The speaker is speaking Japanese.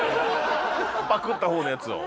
パクった方のやつを。